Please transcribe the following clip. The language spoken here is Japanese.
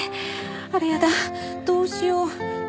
あらやだどうしよう。